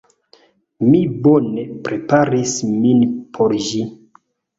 Mi bone preparis min por ĝi.